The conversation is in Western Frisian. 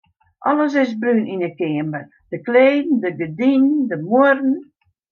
Alles is brún yn 'e keamer: de kleden, de gerdinen, de muorren.